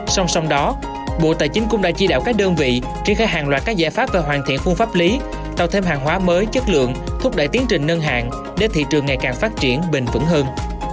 song song đó bộ tài chính cũng đã chi đạo các đơn vị triển khai hàng loạt các giải pháp về hoàn thiện khuôn pháp lý tạo thêm hàng hóa mới chất lượng thúc đẩy tiến trình nâng hạn để thị trường ngày càng phát triển bình vẩn hơn